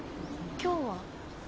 今日は。